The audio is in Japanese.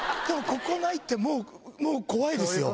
ここないってもう、怖いですよ。